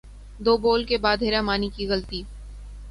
دو بول کے بعد حرا مانی کی غلطی